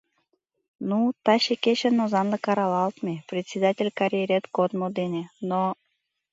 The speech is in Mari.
— Ну, таче кечын озанлык аралалтме, председатель карьерет кодмо дене, но...